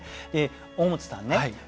大本さんね